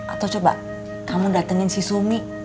atau coba kamu datengin si suami